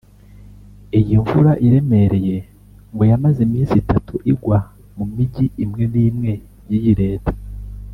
Iyi mvura iremereye ngo yamaze iminsi itatu igwa mu Mijyi imwe n’imwe y’iyi Leta